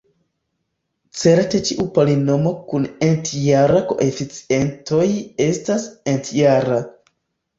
Certe ĉiu polinomo kun entjeraj koeficientoj estas entjera.